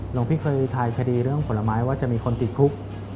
หลวงพี่เคยทายคดีเรื่องผลไม้ว่าจะมีคนติดคุก